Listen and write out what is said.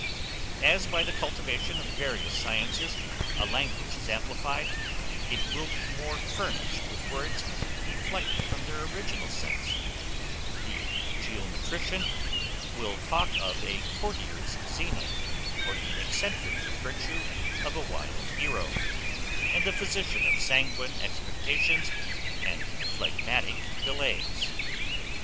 As by the cultivation of various sciences a language is amplified, it will be more furnished with words deflected from their original sense; the geometrician will talk of a courtier's zenith or the eccentric virtue of a wild hero, and the physician, of sanguine expectations and phlegmatic delays.